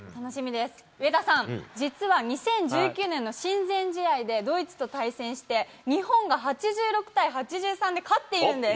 上田さん、実は２０１９年の親善試合でドイツと対戦して、日本が８６対８３で勝っているんです。